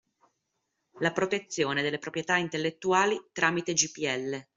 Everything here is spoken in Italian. La protezione delle proprietà intellettuali tramite GPL